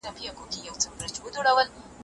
کارګران به راتلونکي کال خپل مهارتونه نوي کړي.